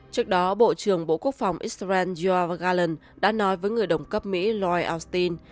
trước đó bộ trưởng bộ quốc phòng israel yoav galen đã nói với người đồng cấp mỹ lloyd austin